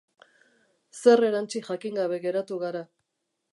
Zer erantsi jakin gabe geratu gara.